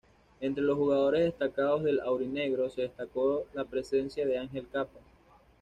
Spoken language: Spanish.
Entre los jugadores destacados del "aurinegro" se destacó la presencia de Ángel Cappa.